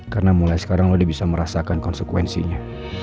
karena mulai sekarang lo udah bisa merasakan konsekuensinya